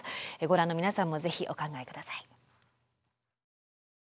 ご覧の皆さんも是非お考えください。